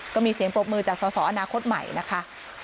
ก็มีเสียงปรบมือจากสอสออนาคตใหม่นะคะ